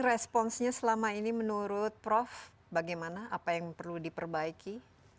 responsnya selama ini menurut prof bagaimana apa yang perlu diperbaiki